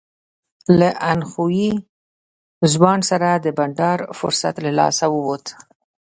له اندخویي ځوان سره د بنډار فرصت له لاسه ووت.